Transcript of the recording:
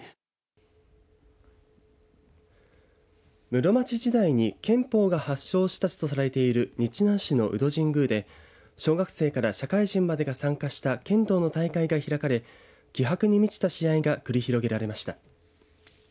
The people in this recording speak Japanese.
室町時代に剣法が発祥した地とされている日南市の鵜戸神宮で小学生から社会人までが参加した剣道の大会が開かれ気迫に満ちた試合が繰り広げられました。